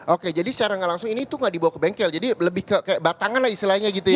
oke jadi secara nggak langsung ini tuh gak dibawa ke bengkel jadi lebih ke batangan lah istilahnya gitu ya